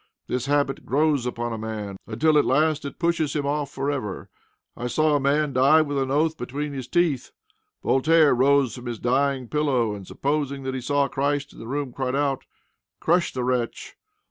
This habit grows upon a man, until at last it pushes him off forever. I saw a man die with an oath between his teeth. Voltaire rose from his dying pillow, and, supposing that he saw Christ in the room, cried out, "Crush the wretch!"